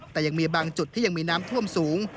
แต่ยังมีบางจุดที่ยังมีน้ำท่วมสูง